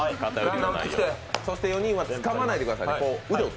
４人はつかまないでくださいね。